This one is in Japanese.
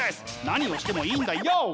何をしてもいいんだよ！